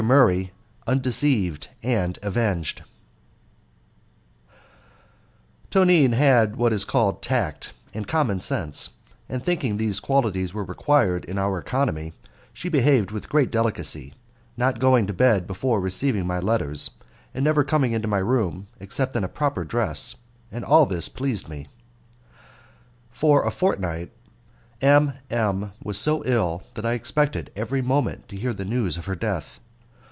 Murray Undeceived and Avenged Tontine had what is called tact and common sense, and thinking these qualities were required in our economy she behaved with great delicacy, not going to bed before receiving my letters, and never coming into my room except in a proper dress, and all this pleased me. For a fortnight M M was so ill that I expected every moment to hear the news of her death.